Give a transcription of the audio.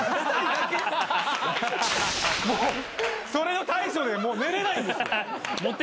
それの対処で寝れないんです。